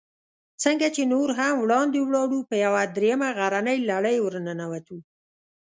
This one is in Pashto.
څنګه چې نور هم وړاندې ولاړو، په یوه درېیمه غرنۍ لړۍ ورننوتو.